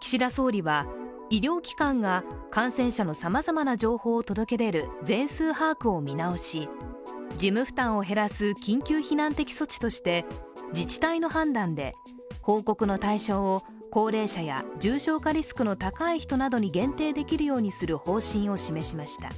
岸田総理は医療機関が感染者のさまざまな情報を届け出る全数把握を見直し、事務負担を減らす緊急避難的措置として自治体の判断で、報告の対象を高齢者や重症化リスクの高い人などに限定できるようにする方針を示しました。